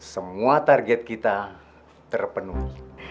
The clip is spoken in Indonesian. semua target kita terpenuh